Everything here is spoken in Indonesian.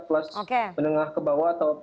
kelas menengah ke bawah atau